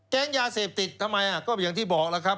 ยาเสพติดทำไมก็อย่างที่บอกแล้วครับ